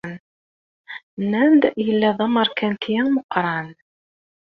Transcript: Nnan-d yella d ameṛkanti ameqran.